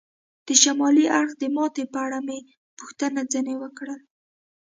د شمالي اړخ د ماتې په اړه مې پوښتنه ځنې وکړل.